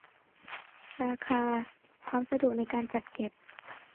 ราคา ความสะดวกในการจัดเก็บ